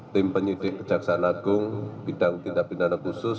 tim penyidik kejaksaan agung bidang tindak pidana khusus